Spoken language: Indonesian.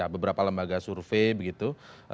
beberapa lembaga survei begitu